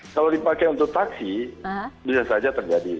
kalau dipakai untuk taksi bisa saja terjadi